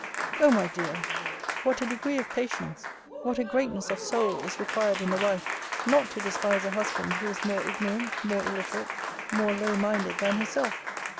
O my dear! what a degree of patience, what a greatness of soul, is required in the wife, not to despise a husband who is more ignorant, more illiterate, more low minded than herself!